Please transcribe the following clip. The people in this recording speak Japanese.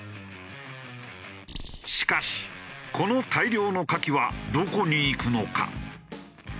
しかしこの大量のカキはどこに行くのか？